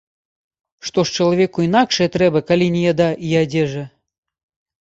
Што ж чалавеку інакшае трэба, калі не яда й адзежа?